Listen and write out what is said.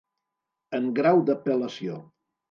En grau d'apel·lació.